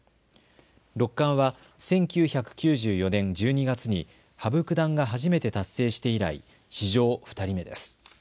六冠は１９９４年１２月に羽生九段が初めて達成して以来、史上２人目です。